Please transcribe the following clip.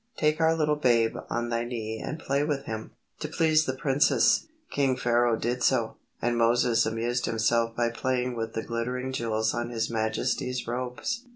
Take our little babe on thy knee and play with him." To please the princess, King Pharaoh did so, and Moses amused himself by playing with the glittering jewels on his majesty's robes.